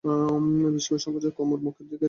বিস্ময়ে সংকোচে কুমুর মুখের দিকে নীরবে চেয়ে রইল।